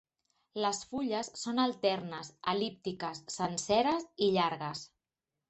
Les fulles són alternes, el·líptiques, senceres i llargues.